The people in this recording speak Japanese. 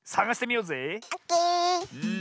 うん。